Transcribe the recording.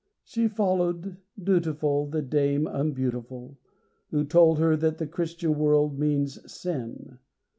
She followed, dutiful, the dame unbeautiful, Who told her that the Christian world means sin.